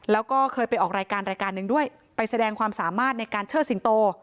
แล้วก็เคยไปออกรายการรายการหนึ่งด้วยไปแสดงความสามารถในการเชิดสิงโต